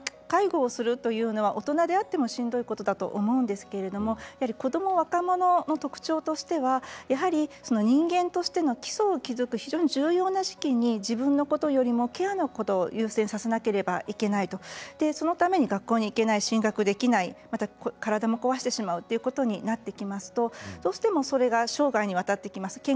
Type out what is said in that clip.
介護をするというのは大人であってもしんどいことだと思うんですけど子ども、若者の特徴としては人間としての基礎を築く重要な時期に自分のことよりもケアのことを優先させなければいけないそのために学校に行けない進学できない、体を壊してしまうということになってきますと生涯にわたってきます。